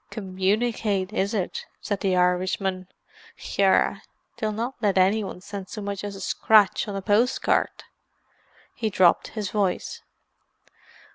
"Communicate, is it?" said the Irishman. "Yerra, they'll not let anyone send so much as a scratch on a post card." He dropped his voice.